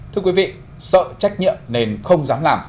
thưa quý vị sợ trách nhiệm nên không dám làm